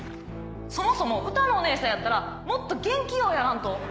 ・そもそも歌のお姉さんやったらもっと元気ようやらんと。